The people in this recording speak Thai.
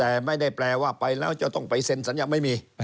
แต่ไม่ได้แปลว่าไปแล้วจะต้องไปเซ็นสัญญาไม่มี